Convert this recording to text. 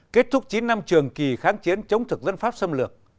kết thúc chín năm trường kỳ kháng chiến chống thực dân pháp xâm lược